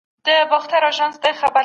د ځان ساتني دپاره تمرکز مهم دی.